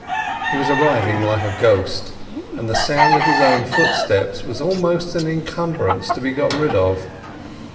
He was arriving like a ghost, and the sound of his own footsteps was almost an encumbrance to be got rid of.